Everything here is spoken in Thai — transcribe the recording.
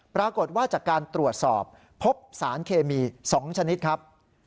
ปรากฏว่าจากการตรวจสอบพบสารเคมี๒ชนิดครับ